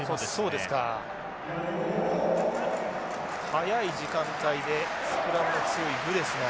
早い時間帯でスクラムの強いグですが。